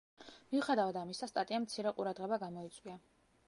მიუხედავად ამისა სტატიამ მცირე ყურადღება გამოიწვია.